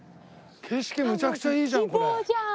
景色めちゃくちゃいいじゃん！